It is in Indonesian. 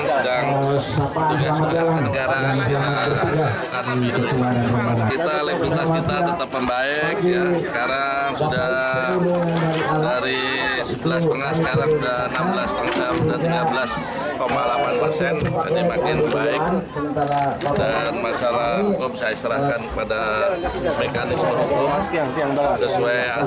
saya serahkan kepada mekanisme untuk sesuai aturan aturan yang berlaku